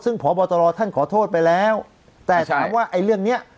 ซึ่งพบตรท่านขอโทษไปแล้วแต่ถามว่าไอ้เรื่องเนี้ย